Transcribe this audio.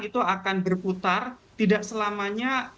itu akan berputar tidak selamanya